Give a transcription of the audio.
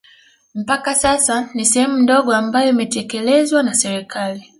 Mpaka sasa ni sehemu ndogo ambayo imetekelezwa na serikali